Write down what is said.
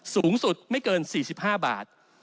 สูงสุดไม่เกิน๔๕บาท